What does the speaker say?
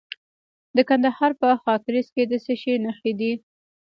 د کندهار په خاکریز کې د څه شي نښې دي؟